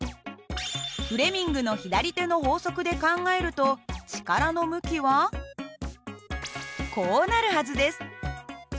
フレミングの左手の法則で考えると力の向きはこうなるはずです。